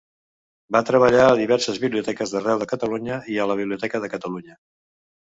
Va treballar a diverses biblioteques d'arreu de Catalunya i a la Biblioteca de Catalunya.